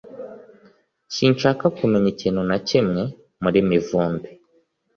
Sinshaka kumenya ikintu na kimwe kuri Mivumbi